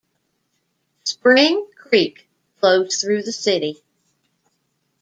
Spring Creek flows through the city.